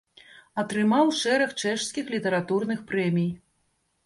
Атрымаў шэраг чэшскіх літаратурных прэмій.